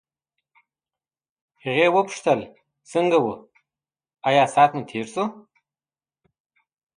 هغې وپوښتل څنګه وو آیا ساعت مو ښه تېر شو.